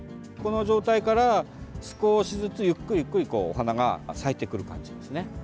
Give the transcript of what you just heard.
この状態から少しずつゆっくりお花が咲いてくる感じですね。